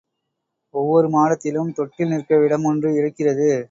ஒவ்வொரு மாடத்திலும் தொட்டில் நிற்க இடமொன்று இருக்கிறது.